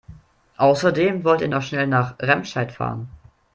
Außerdem wollte er noch schnell nach Remscheid fahren